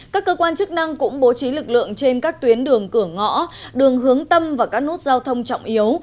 các cơ quan chức năng cũng bố trí lực lượng trên các tuyến đường cửa ngõ đường hướng tâm và các nút giao thông trọng yếu